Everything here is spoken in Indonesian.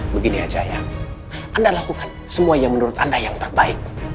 begini aja ya anda lakukan semua yang menurut anda yang terbaik